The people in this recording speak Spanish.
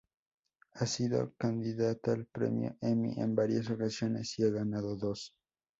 Ha sido candidata al premio Emmy en varias ocasiones, y ha ganado dos.